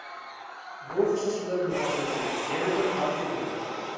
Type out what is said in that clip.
بۇ خۇسۇس بىلەن مۇناسىۋەتلىك يەنە بىر خاتىرىمۇ بار.